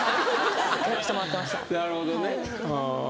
なるほどね。